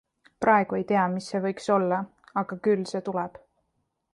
Praegu ei tea, mis see võiks olla, aga küll see tuleb.